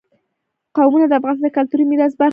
قومونه د افغانستان د کلتوري میراث برخه ده.